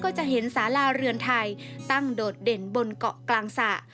จะเห็นสาราเรือนไทยตั้งโดดเด่นบนเกาะกลางสระ